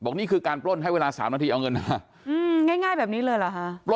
เขาพี่ช่วยเขาด้วยหรอ